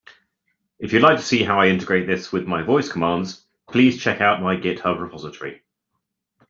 If you'd like to see how I integrate this with my voice commands, please check out my GitHub repository.